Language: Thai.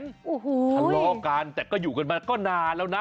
โอ้โหทะเลาะกันแต่ก็อยู่กันมาก็นานแล้วนะ